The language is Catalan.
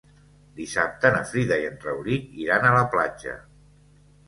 Dissabte na Frida i en Rauric iran a la platja.